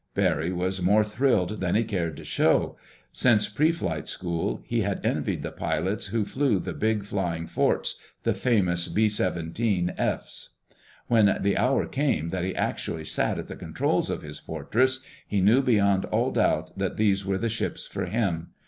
Barry was more thrilled than he cared to show. Since pre flight school, he had envied the pilots who flew the big flying forts—the famous B 17F's. When the hour came that he actually sat at the controls of his Fortress, he knew beyond all doubt that these were the ships for him.